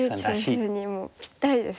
一力先生にもぴったりですよね。